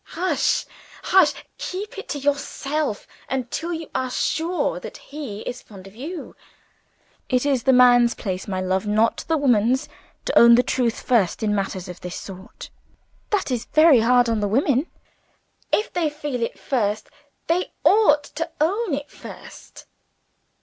"Hush! hush! Keep it to yourself, until you are sure that he is fond of you. It is the man's place, my love not the woman's to own the truth first in matters of this sort." "That is very hard on the women. If they feel it first, they ought to own it first."